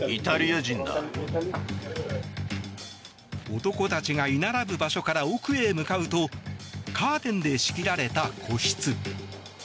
男たちが居並ぶ場所から奥へ向かうとカーテンで仕切られた個室。